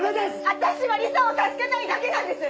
私はリサを助けたいだけなんです！